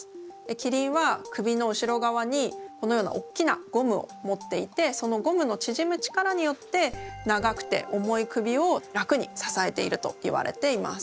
キリンは首の後ろ側にこのようなおっきなゴムを持っていてそのゴムのちぢむ力によって長くて重い首を楽にささえているといわれています。